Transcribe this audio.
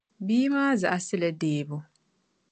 Bia maa zaɣisi li deebu.